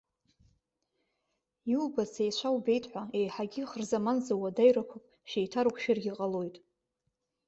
Иубац еицәа убеит ҳәа, еиҳагьы ихырзаманӡоу уадаҩрақәак шәеиҭарықәшәаргьы ҟалоит.